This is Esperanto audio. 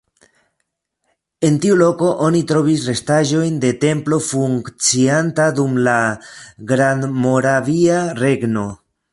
En tiu loko oni trovis restaĵojn de templo funkcianta dum la Grandmoravia Regno.